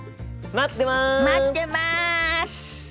待ってます！